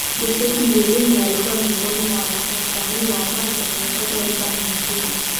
Joseph Mbilinyi alikuwa miongoni mwa wasanii wa mwanzo kurekodi albamu nzima